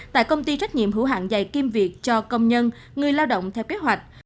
tại công ty trách nhiệm hữu hạn dày kim việc cho công nhân người lao động theo kế hoạch